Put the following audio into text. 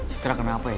citra kenapa ya